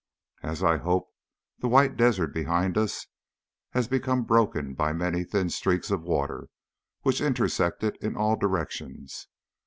As I had hoped, the white desert behind us has become broken by many thin streaks of water which intersect it in all directions.